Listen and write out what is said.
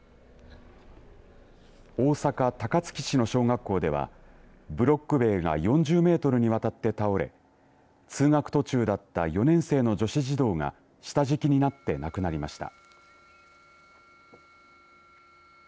大阪、高槻市の小学校ではブロック塀が４０メートルにわたって倒れ通学途中だった４年生の女子児童が下敷きになって亡くなりました。